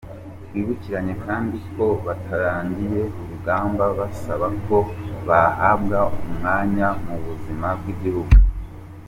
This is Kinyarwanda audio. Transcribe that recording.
Twibukiranye kandi ko batangiye urugamba basaba ko bahabwa umwanya mu buzima bw’igihugu.